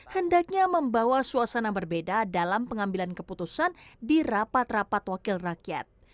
hendaknya membawa suasana berbeda dalam pengambilan keputusan di rapat rapat wakil rakyat